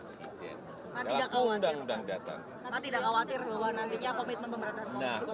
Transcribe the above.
pak tidak khawatir bahwa nantinya komitmen pemerintahan kppk